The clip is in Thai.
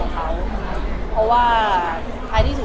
คงเป็นแบบเรื่องปกติที่แบบ